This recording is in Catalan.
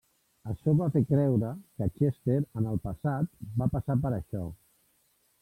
Això va fer creure que Chester, en el passat, va passar per això.